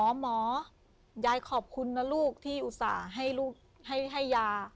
หมอยายขอบคุณนะลูกที่อุตส่าห์ให้ลูกให้ยา